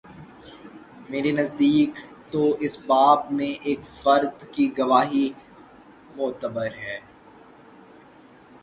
میرے نزدیک تواس باب میں ایک فرد کی گواہی معتبر ہے۔